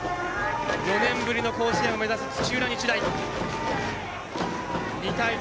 ４年ぶりの甲子園を目指す土浦日大。